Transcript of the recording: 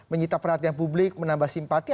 menyita perhatian publik menambah simpati